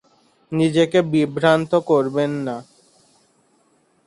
নিজেকে বিভ্রান্ত করবেন না।